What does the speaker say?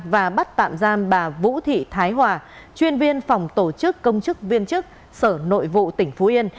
và bắt tạm giam bà vũ thị thái hòa chuyên viên phòng tổ chức công chức viên chức sở nội vụ tỉnh phú yên